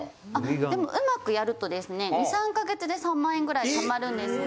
でも上手くやるとですね２３か月で３万円ぐらい貯まるんですね。